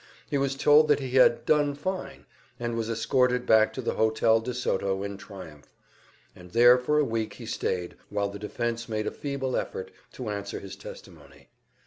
He was told that he had "done fine," and was escorted back to the Hotel de Soto in triumph, and there for a week he stayed while the defense made a feeble effort to answer his testimony.